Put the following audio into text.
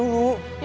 se rerot ryai